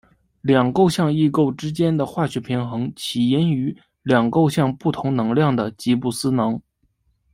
两构象异构之间的化学平衡起因于两构象不同能量的吉布斯能。